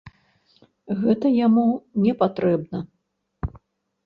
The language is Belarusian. Гэта яму не патрэбна.